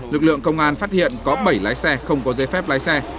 lực lượng công an phát hiện có bảy lái xe không có giấy phép lái xe